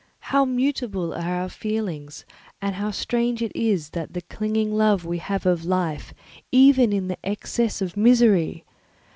How mutable are our feelings, and how strange is that clinging love we have of life even in the excess of misery!